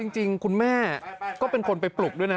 จริงคุณแม่ก็เป็นคนไปปลุกด้วยนะ